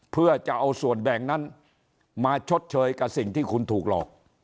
เพื่อจะเอาส่วนแบ่งนั้นมาชดเชยกับสิ่งที่คุณถูกหลอก